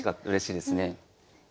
うれしいですね。